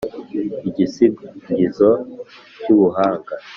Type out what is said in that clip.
Igisingizo cy’ubuhanga